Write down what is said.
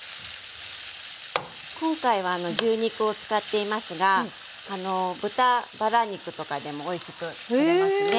今回は牛肉を使っていますが豚バラ肉とかでもおいしくつくれますね。